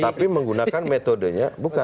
tapi menggunakan metodenya bukan